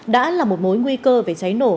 đã là một mối nguy cơ về cháy nổ